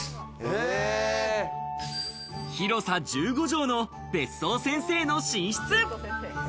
広さ１５帖の別荘先生の寝室。